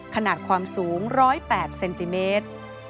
ขนาดความสูง๑๐๘เซนติเมตร